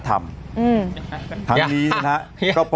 สุดท้ายสุดท้าย